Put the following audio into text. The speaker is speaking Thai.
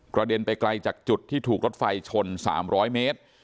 เด็นไปไกลจากจุดที่ถูกรถไฟชน๓๐๐เมตร